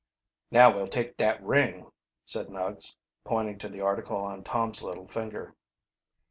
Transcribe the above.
"Now we'll take dat ring," said Nuggs, pointing to the article on Tom's little finger.